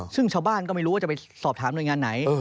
ซึ่งชาวบ้านก็ไม่รู้ว่าจะไปสอบถามหน่วยงานไหน